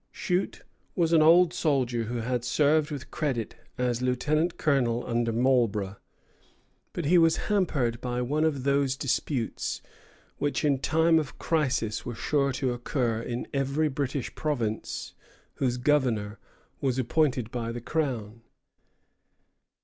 Shute was an old soldier who had served with credit as lieutenant colonel under Marlborough; but he was hampered by one of those disputes which in times of crisis were sure to occur in every British province whose governor was appointed by the Crown.